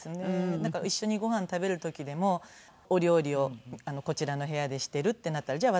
なんか一緒にご飯食べる時でもお料理をこちらの部屋でしているってなったらじゃあ